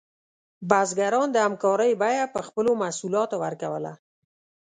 بزګران د همکارۍ بیه په خپلو محصولاتو ورکوله.